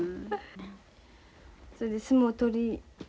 それで相撲取り始め。